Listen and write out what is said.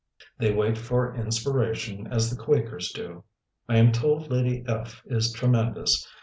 They wait for inspiration as the Quakers do. I am told Lady F. is tremendous.